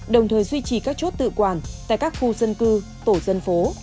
đồng thời duy trì các chốt tự quản tại các khu dân cư tổ dân phố